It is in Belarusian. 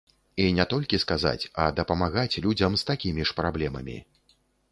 І не толькі сказаць, а дапамагаць людзям з такімі ж праблемамі.